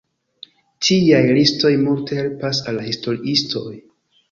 Tiaj listoj multe helpas al historiistoj.